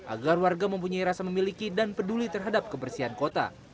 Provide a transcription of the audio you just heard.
agar warga mempunyai rasa memiliki dan peduli terhadap kebersihan kota